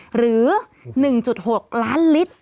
หรือ๑๖ล้านลิตร